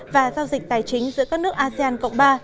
và giao dịch tài chính giữa các nước asean cộng ba